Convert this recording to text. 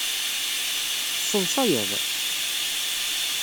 Tesseḍṣayeḍ?